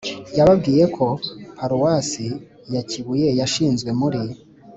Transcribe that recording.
yababwiye ko paruwasi ya kibuye yashinzwe muri